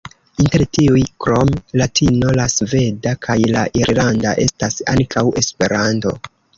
Inter tiuj, krom latino, la sveda kaj la irlanda estas ankaŭ Esperanto.